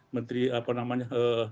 menteri apa namanya